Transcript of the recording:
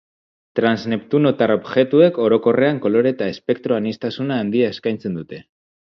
Transneptunotar objektuek orokorrean kolore eta espektro aniztasun handia eskaintzen dute.